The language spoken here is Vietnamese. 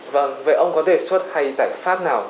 vâng vậy ông có đề xuất hay giải pháp nào